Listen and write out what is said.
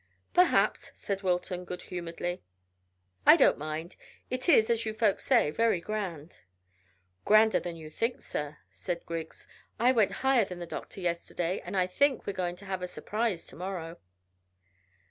"Perhaps," said Wilton good humouredly. "I don't mind. It is, as you folks say, very grand." "Grander than you think, sir," said Griggs. "I went higher than the doctor yesterday, and I think we're going to have a surprise to morrow."